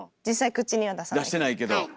実際口には出さないけど。